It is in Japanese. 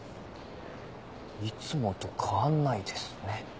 いつもと変わんないですね。